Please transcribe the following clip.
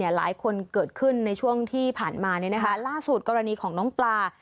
หลายคนเกิดขึ้นในช่วงที่ผ่านมาล่าสุดกรณีของน้องปลา